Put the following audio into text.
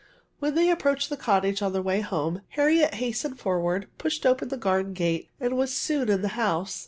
"' When they approached the cottage on their way home, Harriet hastened ferwurd, pushed open the garden gate, and was soon in the house.